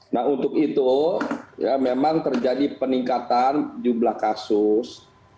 nah untuk itu ya memang terjadi peningkatan jumlah kasus